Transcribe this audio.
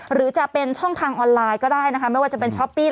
หรือจะเป็นช่องทางออนไลน์ก็ได้นะคะไม่ว่าจะเป็นช้อปปี้